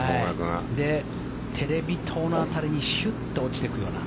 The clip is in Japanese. テレビ塔の辺りにシュッと落ちていくような。